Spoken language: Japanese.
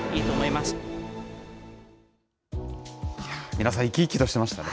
皆さん、生き生きとしてましたね。